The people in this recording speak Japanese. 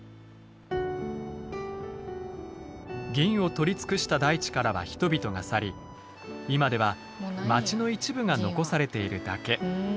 銀を取り尽くした大地からは人々が去り今では町の一部が残されているだけ。